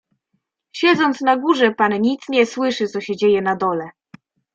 "Siedząc na górze, pan nic nie słyszy, co się dzieje na dole."